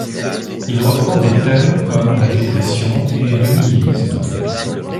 Il reprend des thèmes comme la dépression et le nihilisme.